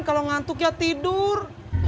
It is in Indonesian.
kalau ngantuk ya tidur